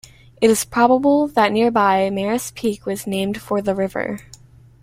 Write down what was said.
It is probable that nearby Marys Peak was named for the river.